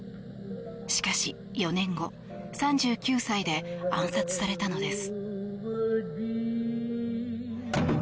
しかし４年後３９歳で暗殺されたのです。